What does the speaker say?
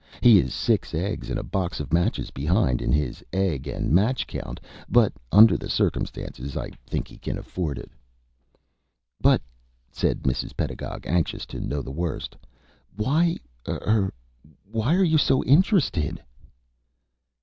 He is six eggs and a box of matches behind in his egg and match account, but under the circumstances I think he can afford it." "But," said Mrs. Pedagog, anxious to know the worst, "why er why are you so interested?"